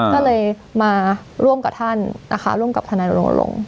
ก็เลยมาร่วมกับท่านนะคะร่วมกับทนายลง